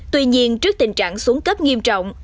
tuy nhiên trước tình trạng xuống cấp nghiêm trọng